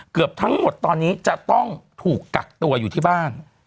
เกือบทั้งหมดตอนนี้จะต้องถูกกักตัวอยู่ที่บ้าน